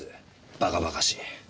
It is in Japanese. バカバカしい。